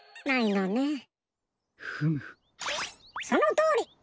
そのとおり！